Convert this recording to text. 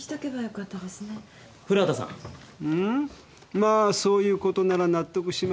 まあそういうことなら納得しました。